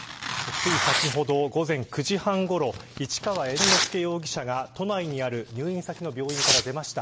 つい先ほど、午前９時半ごろ市川猿之助容疑者が都内にある入院先の病院から出ました。